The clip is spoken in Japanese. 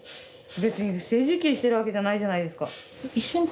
別に不正受給してるわけじゃないじゃないですか。